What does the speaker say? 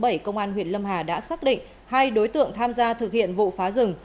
thị trấn nam ban huyện lâm hà đã xác định hai đối tượng tham gia thực hiện vụ phá rừng